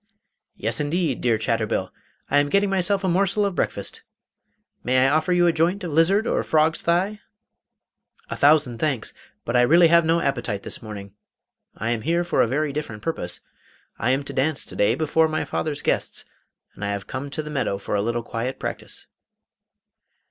'Yes, indeed, dear Chatterbill! I am getting myself a morsel of breakfast. May I offer you a joint of lizard or a frog's thigh?' 'A thousand thanks, but I have really no appetite this morning. I am here for a very different purpose. I am to dance to day before my father's guests, and I have come to the meadow for a little quiet practice.